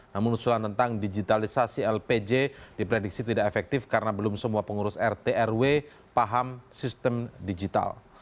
namun usulan tentang digitalisasi lpj diprediksi tidak efektif karena belum semua pengurus rt rw paham sistem digital